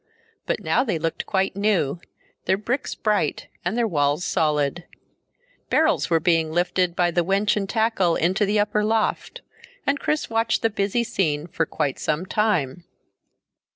But now they looked quite new, their bricks bright and their walls solid. Barrels were being lifted by the winch and tackle into the upper loft, and Chris watched the busy scene for quite some time.